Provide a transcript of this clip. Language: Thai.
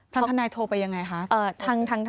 ทนายโทรไปยังไงคะ